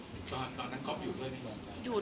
แต่ขวัญไม่สามารถสวมเขาให้แม่ขวัญได้